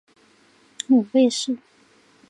母魏氏。